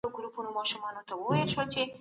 اسلام د محدود ملکیت اجازه ورکوي.